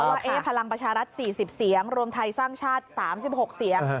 พลังประชารัฐ๔๐เสียงรวมไทยสร้างชาติ๓๖เสียง